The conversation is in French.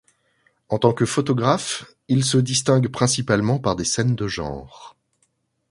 En tant que photographe il se distingue principalement par des scènes de genre.